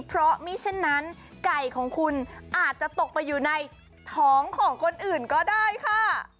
เพราะไม่เช่นนั้นไก่ของคุณอาจจะตกไปอยู่ในท้องของคนอื่นก็ได้ค่ะ